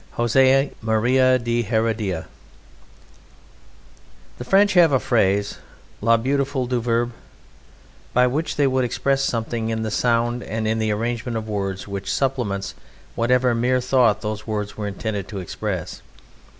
José Maria de Heredia The French have a phrase "la beauté du verbe" by which they would express a something in the sound and in the arrangement of words which supplements whatever mere thought those words were intended to express.